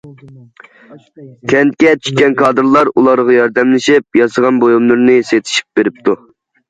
كەنتكە چۈشكەن كادىرلار ئۇلارغا ياردەملىشىپ، ياسىغان بۇيۇملىرىنى سېتىشىپ بېرىپتۇ.